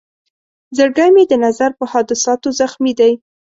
زړګی مې د نظر په حادثاتو زخمي دی.